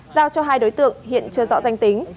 giao cho hai đối tượng hiện chưa rõ danh tính